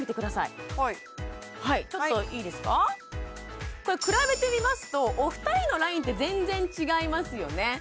はいはいちょっといいですかこれ比べてみますとお二人のラインって全然違いますよね